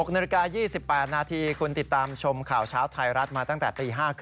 ๖นาฬิกา๒๘นาทีคุณติดตามชมข่าวเช้าไทยรัฐมาตั้งแต่ตี๕๓๐